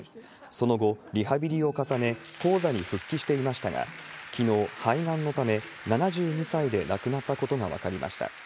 その後、リハビリを重ね高座に復帰していましたが、きのう、肺がんのため、７２歳で亡くなったことが分かりました。